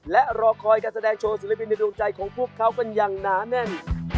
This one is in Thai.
และรอคอยการแสดงโชว์ศิลปินในดวงใจของพวกเขากันอย่างหนาแน่น